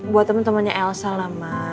buat temen temennya elsa lah ma